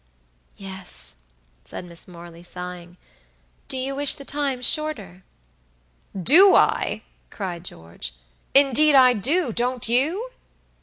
"Yes," said Miss Morley, sighing. "Do you wish the time shorter?" "Do I?" cried George. "Indeed I do. Don't you?"